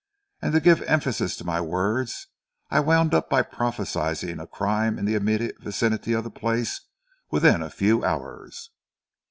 And to give emphasis to my words, I wound up by prophesying a crime in the immediate vicinity of the place within a few hours."